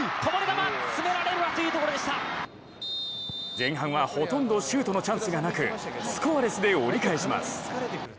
前半はほとんどシュートのチャンスがなくスコアレスで折り返します。